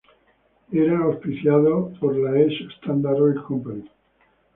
Era auspiciado por la Esso Standard Oil Co.